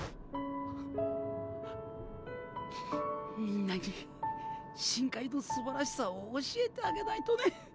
みんなに深海のすばらしさを教えてあげないとね。